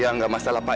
ya gak masalah pak